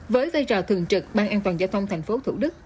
với vai trò thường trực ban an toàn giao thông tp thủ đức